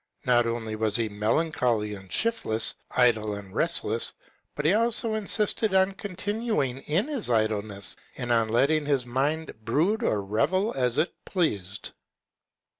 Not only was he melancholy and shiftless, idle and restless, but he also insisted on continuing in his idleness and on letting his mind brood or revel as it pleased.